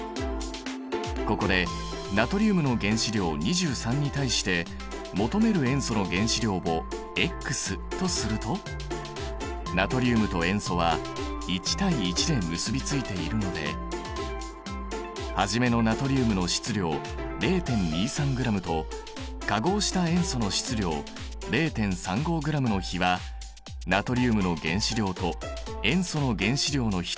ここでナトリウムの原子量２３に対して求める塩素の原子量をとするとナトリウムと塩素は１対１で結び付いているので初めのナトリウムの質量０．２３ｇと化合した塩素の質量０．３５ｇの比はナトリウムの原子量と塩素の原子量の比と等しくなる。